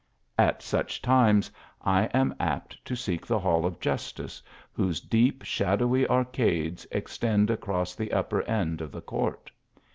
At such times I am apt to seek the Hall of Jus tice, whose deep shadowy arcades extend acrosf the upper end of the court.